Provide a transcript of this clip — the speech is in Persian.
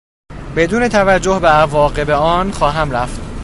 بدون توجه به عواقب آن خواهم رفت.